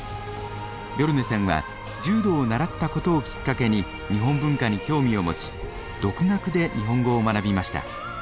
ビョルネさんは柔道を習ったことをきっかけに日本文化に興味を持ち独学で日本語を学びました。